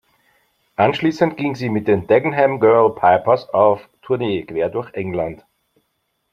Anschließend ging sie mit den "Dagenham Girl Pipers" auf Tournee quer durch England.